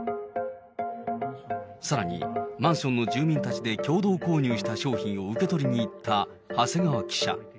さらに、マンションの住民たちで共同購入した商品を受け取りに行った長谷川記者。